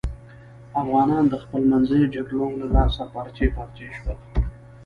افغانان د خپلمنځیو جگړو له لاسه پارچې پارچې شول.